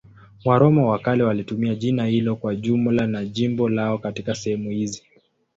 Waroma wa kale walitumia jina hilo kwa jumla ya jimbo lao katika sehemu hizi.